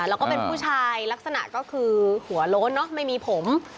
แล้วก็เป็นผู้ชายลักษณะก็คือหัวโล้นเนอะไม่มีผม